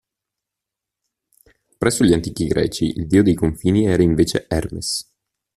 Presso gli antichi Greci il dio dei confini era invece Ermes.